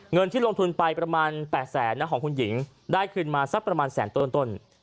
เงินที่ลงทุนไปประมาณ๘แสนของคุณหญิงได้คืนมาสักประมาณแสนต้น